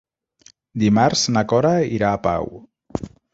Dimarts na Cora irà a Pau.